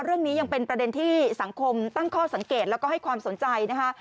เรื่องนี้ยังเป็นประเด็นที่สังคมตั้งข้อสังเกตแล้วก็ให้ความสนใจนะคะ